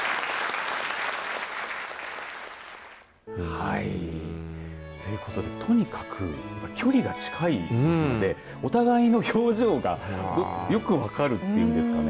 はい、ということでとにかく距離が近いですのでお互いの表情がよく分かるというんですかね。